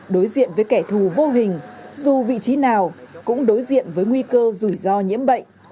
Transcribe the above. đối diện với kẻ thù vô hình dù vị trí nào cũng đối diện với nguy cơ rủi ro nhiễm bệnh